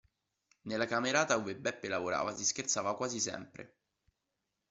Nella camerata ove Beppe lavorava si scherzava quasi sempre.